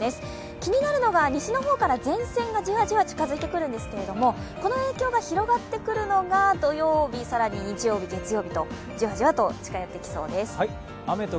気になるのが西の方から前線がじわじわ近づいてくるんですけれどもこの影響が広がってくるのが土曜日、さらに日曜、月曜日とじわじわと近寄ってきそうです。